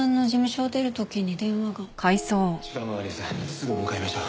すぐ向かいましょう。